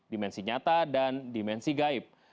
dimensi nyata dan dimensi gaib